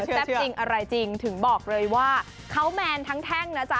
จริงอะไรจริงถึงบอกเลยว่าเขาแมนทั้งแท่งนะจ๊